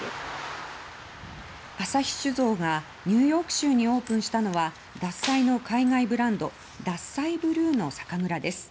旭酒造がニューヨーク州にオープンしたのは「獺祭」の海外ブランド「ＤＡＳＳＡＩＢＬＵＥ」の酒蔵です。